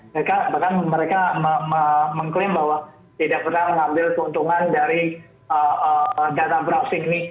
mereka bahkan mereka mengklaim bahwa tidak pernah mengambil keuntungan dari data browsing ini